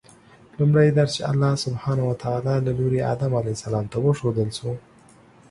لومړی درس چې الله سبحانه وتعالی له لوري آدم علیه السلام ته وښودل شو